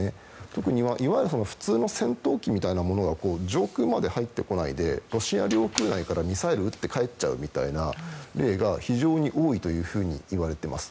特にいわゆる普通の戦闘機みたいなものは上空まで入ってこないでロシア領空内からミサイルを撃って帰っちゃうみたいな例が非常に多いというふうにいわれています。